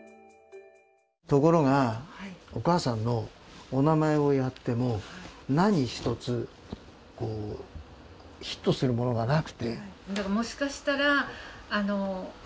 ところがお母さんのお名前をやっても何一つヒットするものがなくて。